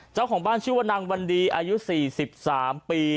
เจ้าของบ้านชื่อว่านางวันดีอายุ๔๓ปี